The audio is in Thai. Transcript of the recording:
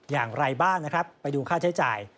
อย่างไรบ้างนะครับไปดูค่าใช้จ่าย